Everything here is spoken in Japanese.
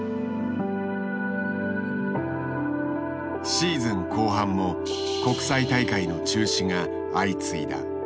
シーズン後半も国際大会の中止が相次いだ。